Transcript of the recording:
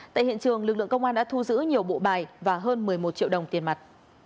tại hiện trường lực lượng công an đã thu giữ nhiều bộ bài và hơn một mươi một triệu đồng tiền mặt